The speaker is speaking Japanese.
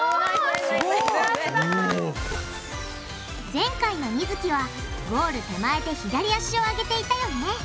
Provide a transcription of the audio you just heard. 前回のみづきはゴール手前で左足を上げていたよね。